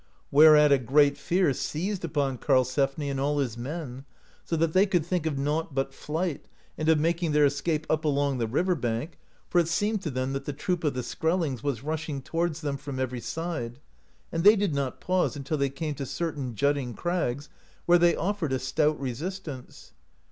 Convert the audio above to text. Whereat a great fear seized upon Karlsefni and all his men, so that they could think of nought but flight, and of making their escape up along the river bank, for it seemed to them that the troop of the Skrellings was rushing towards them from every side, and they did not pause until they came to cer tain jutting crags, where they offered a stout resistance.